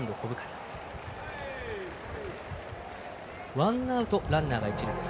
ワンアウト、ランナーが一塁です。